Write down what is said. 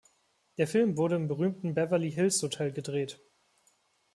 Der Film wurde im berühmten Beverly Hills Hotel gedreht.